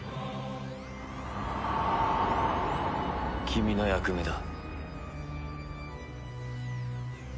君の役目だ。